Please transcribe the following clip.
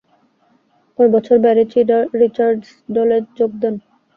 ঐ বছর Barry Richards দলে যোগ দেন।